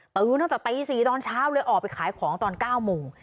ตั้งแต่ตี๔ตอนเช้าเลยออกไปขายของตอน๙โมง